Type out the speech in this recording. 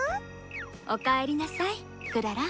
おかえりなさいクララ。